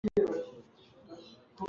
A Kawlholh thiam aa porhlaw.